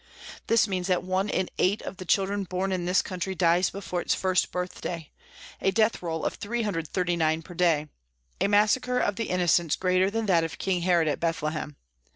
This means that one in eight of the children born in this country dies before its first birthday a death roll of 339 per day a massacre of the innocents greater than that of King Herod at Bethlehem.